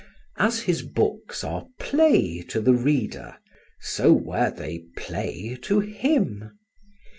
As his books are play to the reader, so were, they play to him.